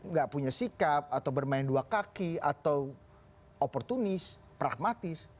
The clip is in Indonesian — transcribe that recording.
nggak punya sikap atau bermain dua kaki atau oportunis pragmatis